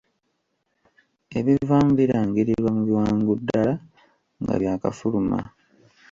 Ebivaamu birangirirwa mu bwangu ddala nga byakafuluma.